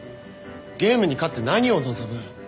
ゲームに勝って何を望む？